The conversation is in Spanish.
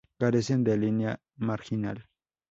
Carecen de línea marginal.